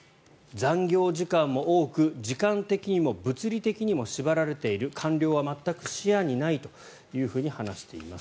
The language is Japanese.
残業時間も多く、時間的にも物理的にも縛られている官僚は全く視野にないというふうに話しています。